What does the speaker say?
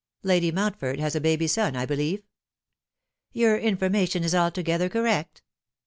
Lady Mountford has a baby son, I believe?" " Your information is altogether correct."